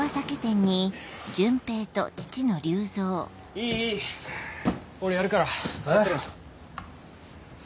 いいいい俺やるから座ってろよ。